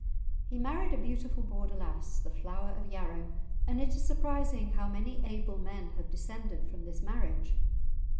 He married a beautiful Border lass, "the Flower of Yarrow," and it is surprising how many able men have descended from this marriage.